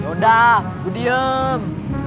yaudah gue diem